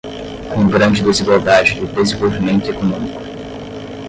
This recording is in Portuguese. com grande desigualdade de desenvolvimento econômico